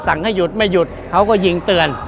ให้หยุดไม่หยุดเขาก็ยิงเตือน